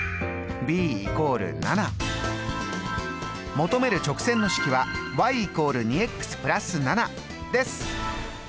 求める直線の式は＝２＋７です。